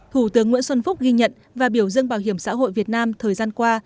thủ tướng nguyễn xuân phúc ghi nhận và biểu dương bảo hiểm xã hội việt nam thời gian qua